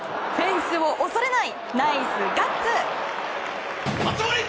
フェンスを恐れないナイスガッツ！